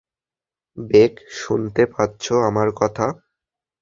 Bake, শুনতে পাচ্ছো আমার কথা?